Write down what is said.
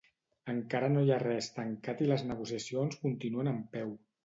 Encara no hi ha res tancat i les negociacions continuen en peu.